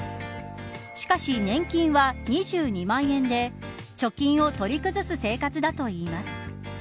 しかし、年金は２２万円で貯金を取り崩す生活だといいます。